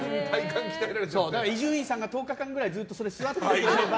伊集院さんが１０日間くらいずっと座っててくれれば。